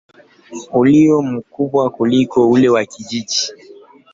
ulio mkubwa kuliko ule wa kijiji.